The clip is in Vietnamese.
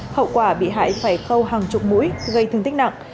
hậu quả bị hại phải khâu hàng chục mũi gây thương tích nặng